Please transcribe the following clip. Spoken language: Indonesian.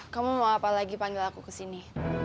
kamu mau apa lagi panggil aku kesini